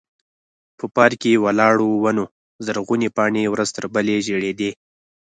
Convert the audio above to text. په پارک کې ولاړو ونو زرغونې پاڼې ورځ تر بلې ژړېدې.